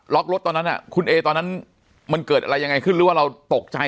รถตอนนั้นคุณเอตอนนั้นมันเกิดอะไรยังไงขึ้นหรือว่าเราตกใจ